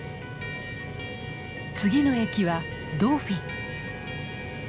次の駅はドーフィン。